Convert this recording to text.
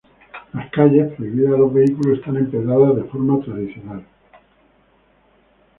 Las calles, prohibidas a los vehículos, están empedradas de forma tradicional.